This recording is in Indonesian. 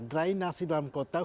drainasi dalam kota